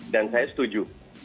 dan saya setuju